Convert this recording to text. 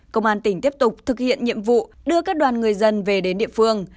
công an tỉnh tiếp tục thực hiện nhiệm vụ đưa các đoàn người dân về đến địa phương